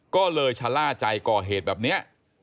ก็เลยชะล่าใจก่อเหตุแบบนี้